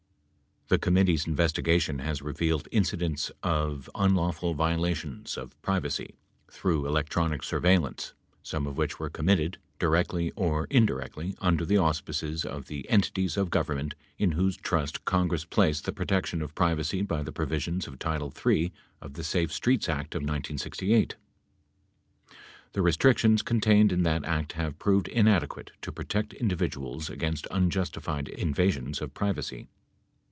The committee's investigation has revealed incidents of unlawful violations of privacy through electronic surveillance, some of which were committed, directly or indirectly, under the auspices of the enti ties of government in whose trust Congress placed the protection of privacy by the provisions of title III of the Safe Streets Act of 1968. The restrictions contained in that act have proved inadequate to pro tect individuals against unjustified invasions of privacy.